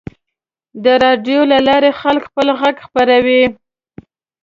د راډیو له لارې خلک خپل غږ خپروي.